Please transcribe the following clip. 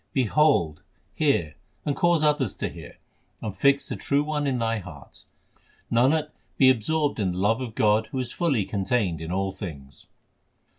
Behold, hear, and cause others to hear, and fix the True One in thy heart. Nanak, be absorbed in the love of God who is fully con tained in all things.